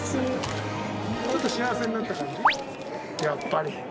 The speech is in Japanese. やっぱり！